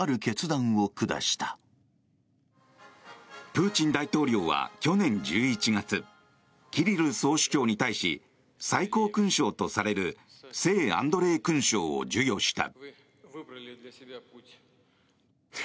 プーチン大統領は去年１１月キリル総主教に対し最高勲章とされる聖アンドレイ勲章を授与した。